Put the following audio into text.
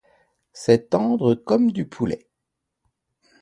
C'est tendre comme du poulet.